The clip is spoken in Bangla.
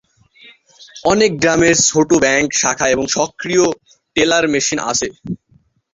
অনেক গ্রামে ছোট ব্যাংক শাখা এবং স্বয়ংক্রিয় টেলার মেশিন আছে।